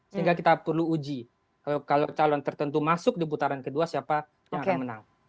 sehingga kita perlu uji kalau calon tertentu masuk di putaran kedua siapa yang akan menang